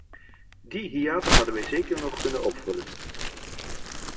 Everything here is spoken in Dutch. Die hiaten hadden wij zeker nog kunnen opvullen.